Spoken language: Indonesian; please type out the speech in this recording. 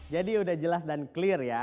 jadi udah jelas dan clear ya